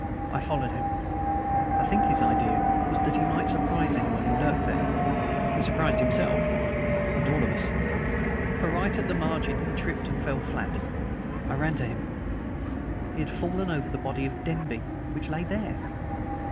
I followed him. I think his idea was that he might surprise anyone who lurked there. He surprised himself, and all of us. For right at the margin he tripped and fell flat. I ran to him. He had fallen over the body of Denby, which lay there!